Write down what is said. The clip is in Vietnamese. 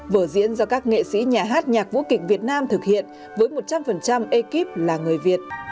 vở diễn do các nghệ sĩ nhà hát nhạc vũ kịch việt nam thực hiện với một trăm linh ekip là người việt